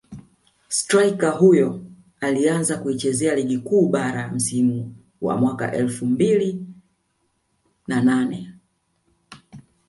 Streika huyo alianza kuicheza Ligi Kuu Bara msimu wa mwaka elfu mbili na nane